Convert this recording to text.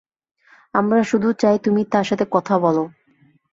আমরা শুধু চাই তুমি তার সাথে কথা বলো।